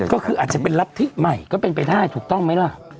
ก็คืออาจจะเป็นรัฐธิใหม่ก็เป็นไปได้ถูกต้องไหมล่ะ